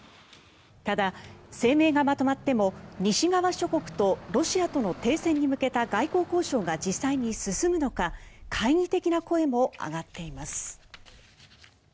ただ、声明がまとまっても西側諸国とロシアとの停戦に向けた外交交渉が実際に進むのか懐疑的な声も上がっています。